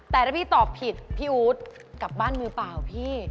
แต่ถ้าพี่ตอบผิดพี่อู๊ดกลับบ้านมือเปล่าพี่